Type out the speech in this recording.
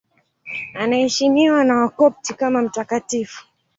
Anaheshimiwa na Wakopti kama mtakatifu.